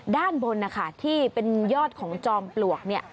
ด้านบนที่เป็นยอดของจอมปลวก